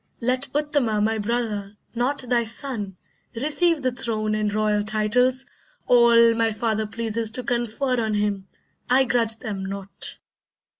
Let Uttama my brother, not thy son, Receive the throne and royal titles, all My father pleases to confer on him. I grudge them not.